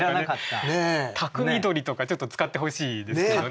「番匠鳥」とかちょっと使ってほしいですよね。